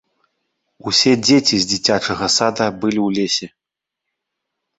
Усе дзеці з дзіцячага сада былі ў лесе.